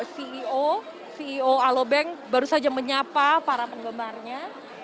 ceo ceo alobank baru saja menyapa para penggemarnya